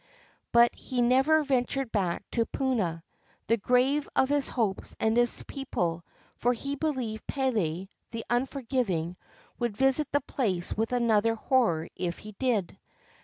But he never ventured back to Puna, the grave of his hopes and his people, for he believed Pele, the unforgiving, would visit the place with another horror if he did.